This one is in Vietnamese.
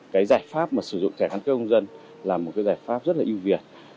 cái giải pháp sử dụng thẻ căn cước công dân là một giải pháp rất là ưu việt